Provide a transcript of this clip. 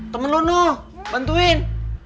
temen lu no bantuin